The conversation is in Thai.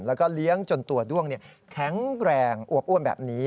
แล้วก็เลี้ยงจนตัวด้วงแข็งแรงอวบอ้วนแบบนี้